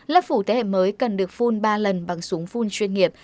lớp phủ thế hệ mới cần được phun ba lần bằng súng phun chuyên nghiệp